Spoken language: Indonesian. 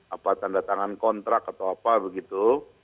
apa tanda tangan kontrak atau apa begitu